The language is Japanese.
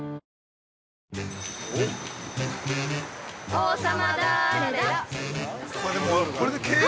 ◆王様だれだ？